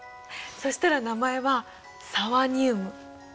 そしたら名前はサワニウム！